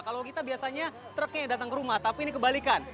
kalau kita biasanya truknya datang ke rumah tapi ini kebalikan